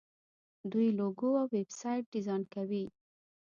دوی لوګو او ویب سایټ ډیزاین کوي.